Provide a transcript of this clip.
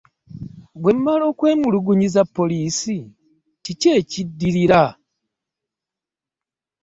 Bwe mmala okwemulugunyiza poliisi, kiki ekiddirira?